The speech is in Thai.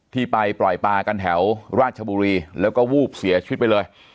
ที่ไปปล่อยปลากันแถวราชบุรีแล้วก็วูบเสียชีวิตไปเลย